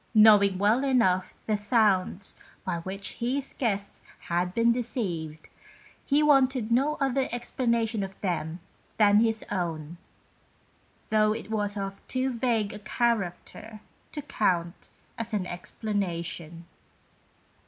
Knowing well enough the sounds by which his guests had been deceived, he wanted no other explanation of them than his own, though it was of too vague a character to count as an explanation.